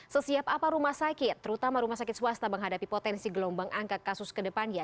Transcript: sesiap apa rumah sakit terutama rumah sakit swasta menghadapi potensi gelombang angka kasus ke depannya